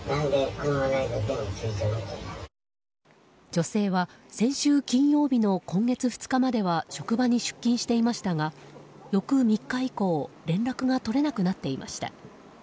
女性は先週金曜日の今月２日までは職場に出勤していましたが翌３日以降連絡が取れなくなっていました。